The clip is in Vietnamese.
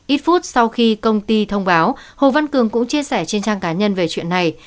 ít phút sau khi công ty thông báo hồ văn cường cũng chia sẻ trên trang cá nhân về chuyện này